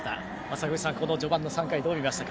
坂口さん、この序盤の３回どう見ましたか？